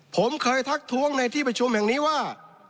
ผมเคยทักท้วงในที่ประชุมแห่งนี้ว่า